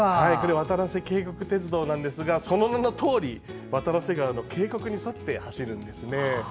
わたらせ渓谷鉄道ですがその名のとおり渡良瀬川の渓谷に沿って走るんですね。